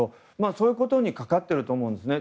そういうことにかかっていると思うんですね。